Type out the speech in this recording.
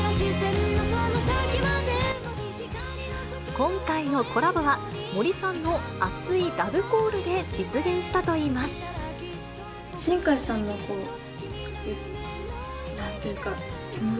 今回のコラボは、森さんの熱いラブコールで実現したといいます。